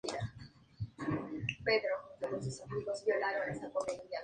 Madre no hay más que una